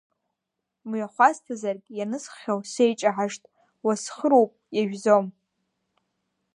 Мҩахәасҭазаргь, ианысххьоу сеиҷаҳашт, уасхыруп, иажәӡом.